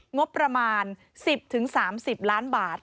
งบประมาณ๑๐๓๐ล้านบาท